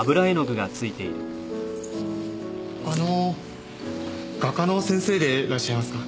あの画家の先生でいらっしゃいますか？